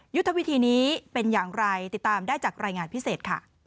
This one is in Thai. ยุทธวิธีนี้เป็นอย่างไรติดตามได้จากรายงานพิเศษค่ะ